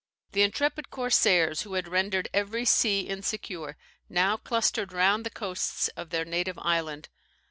The intrepid corsairs, who had rendered every sea insecure, now clustered round the coasts of their native island.